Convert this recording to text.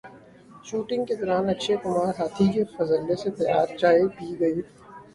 shooting کے دوران اکشے کمار ہاتھی کے فضلے سے تیار چائے پی گئے